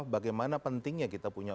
bagaimana pentingnya kita punya